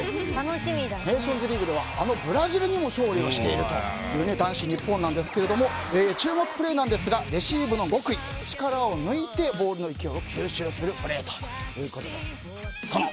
ネーションズリーグではあのブラジルにも勝利しているという男子日本なんですが注目プレーなんですがレシーブの極意、力を抜いてボールの勢いを吸収するプレーということです。